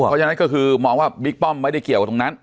เพราะฉะนั้นก็คือมองว่าบิ๊กป้อมไม่ได้เกี่ยวกับตรงนั้น